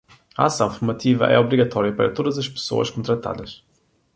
A ação formativa é obrigatória para todas as pessoas contratadas.